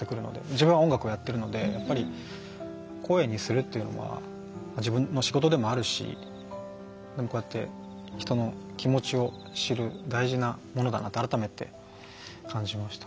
自分は音楽をやっているのでやっぱり声にするっていうのは自分の仕事でもあるしこうやって人の気持ちを知る大事なものだなと改めて感じましたね。